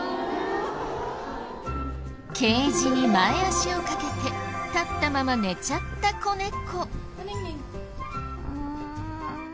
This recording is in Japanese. ケージに前脚をかけて立ったまま寝ちゃった子猫。